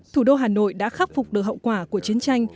thủ đô hà nội đã khắc phục được hậu quả của chiến tranh